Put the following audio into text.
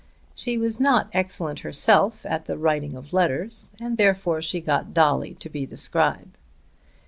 She was not excellent herself at the writing of letters, and therefore she got Dolly to be the scribe.